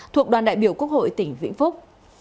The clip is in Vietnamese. thuộc đoàn đại biểu quốc hội tỉnh vĩnh phúc